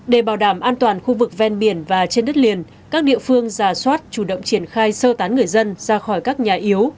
để bảo đảm an toàn khu vực ven biển và trên đất liền các địa phương giả soát chủ động triển khai sơ tán người dân ra khỏi các nhà yếu